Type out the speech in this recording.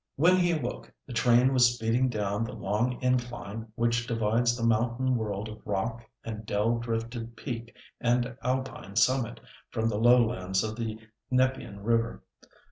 When he awoke the train was speeding down the long incline which divides the mountain world of rock and dell rifted peak and alpine summit, from the lowlands of the Nepean River.